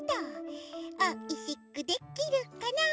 「おいしくできるかな」